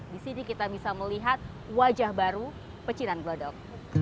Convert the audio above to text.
di sini kita bisa melihat wajah baru pecinan glodok